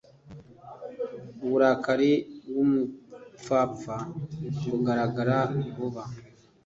uburakari bw’umupfapfa bugaragara vuba,